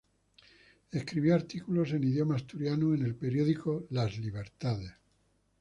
Escribió artículos en idioma asturiano en el periódico "Las Libertades".